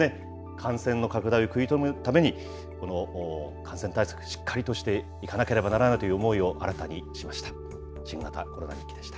感染の拡大を食い止めるために、感染対策しっかりとしていかなければならないという思いを、新たにしました。